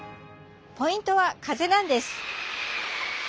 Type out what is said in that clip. ポイントは風なんです。